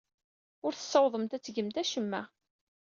Ur tessawaḍemt ad tgemt acemma.